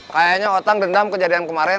kayanya otang dendam kejadian kemaren